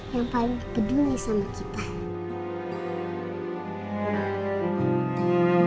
yang paling peduli sama kita